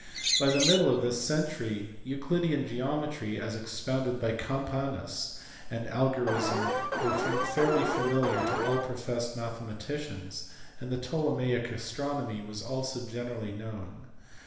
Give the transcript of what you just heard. By the middle of this century Euclidean geometry (as ex pounded by Campanus) and algorism were fairly familiar to all professed mathematicians, and the Ptolemaic astronomy was also generally known.